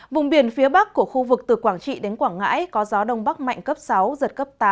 vùng biển phía bắc của khu vực từ quảng trị đến quảng ngãi có gió đông bắc mạnh cấp sáu giật cấp tám